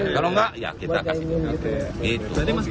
kalau enggak ya kita kasih